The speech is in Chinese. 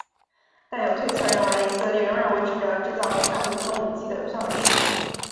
但有推测认为以色列仍然维持着制造和散布生物武器的有效能力。